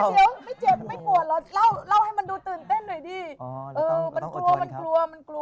เดี๋ยวไม่เจ็บไม่กลัวเราให้มันดูตื่นเต้นหน่อยดิ